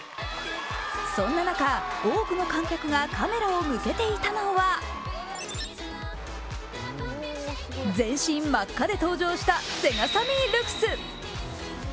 そんな中、多くの観客がカメラを向けていたのは全身真っ赤で登場したＳＥＧＡＳＡＭＭＹＬＵＸ。